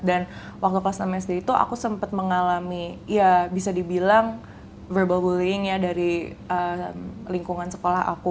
dan waktu kelas enam sd itu aku sempat mengalami ya bisa dibilang verbal bullying ya dari lingkungan sekolah aku